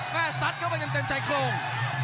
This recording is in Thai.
แม่สัดเข้าไปจนเต็มใจโครง